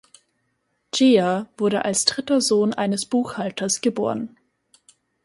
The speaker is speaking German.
Ghia wurde als dritter Sohn eines Buchhalters geboren.